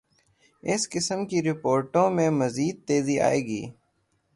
اس قسم کی رپورٹوں میںمزید تیزی آئے گی۔